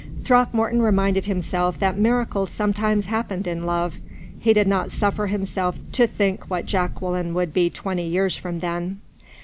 Throckmorton reminded himself that miracles sometimes happened in love. He did not suffer himself to think what Jacqueline would be twenty years from then.